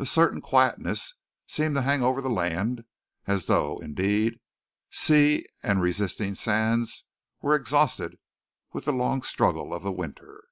A certain quietness seemed to hang over the land, as though, indeed, sea and resisting sands were exhausted with the long struggle of the winter.